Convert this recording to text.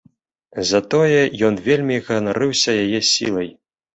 Затое ён вельмі ганарыўся яе сілай.